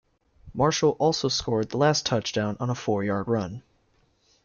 Marshall also scored the last touchdown on a four-yard run.